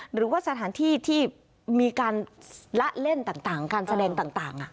หรือว่าสถานที่ที่มีการละเล่นต่างการแสดงต่าง